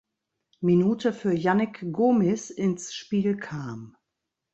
Minute für Yannick Gomis ins Spiel kam.